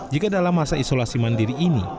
jika dalam masa isolasi mandiri ini